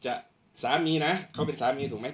ช่างแอร์เนี้ยคือล้างหกเดือนครั้งยังไม่แอร์